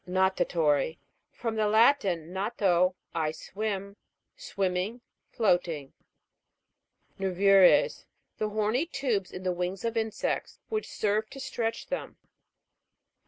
NA'TATORY. From the Latin, tiato, I swim. Swimming, floating. NERVU'RES. The horny tubes in the wings of insects, which serve to stretch them.